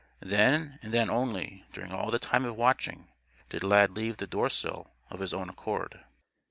Then and then only, during all that time of watching, did Lad leave the doorsill of his own accord.